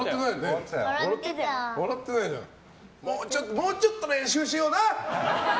もうちょっと練習しような！